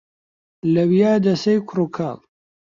لەویا دەسەی کوڕ و کاڵ